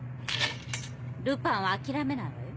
ルパンは諦めないわよ。